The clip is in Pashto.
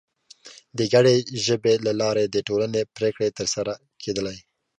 د ګډې ژبې له لارې د ټولنې پرېکړې تر سره کېدلې.